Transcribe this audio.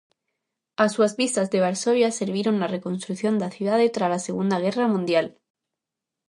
As súas vistas de Varsovia serviron na reconstrución da cidade trala Segunda Guerra Mundial.